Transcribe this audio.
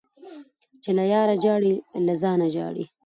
- چي له یاره ژاړي له ځانه ژاړي.